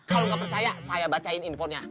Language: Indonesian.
kalau nggak percaya saya bacain infonya